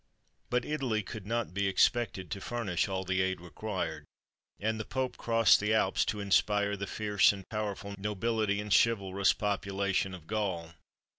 But Italy could not be expected to furnish all the aid required; and the Pope crossed the Alps to inspire the fierce and powerful nobility and chivalrous population of Gaul.